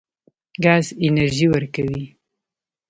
ګاز انرژي ورکوي.